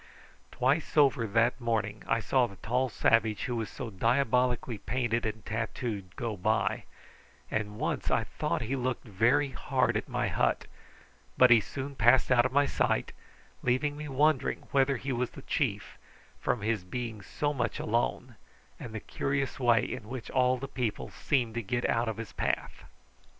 Twice over that morning I saw the tall savage who was so diabolically painted and tattooed go by, and once I thought he looked very hard at my hut; but he soon passed out of my sight, leaving me wondering whether he was the chief, from his being so much alone, and the curious way in which all the people seemed to get out of his path.